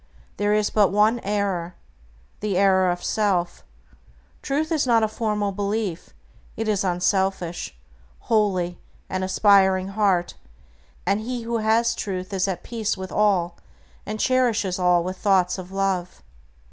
There is but one error, the error of self. Truth is not a formal belief; it is an unselfish, holy, and aspiring heart, and he who has Truth is at peace with all, and cherishes all with thoughts of love.